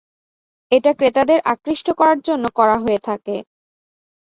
এটা ক্রেতাদের আকৃষ্ট করার জন্য করা হয়ে থাকে।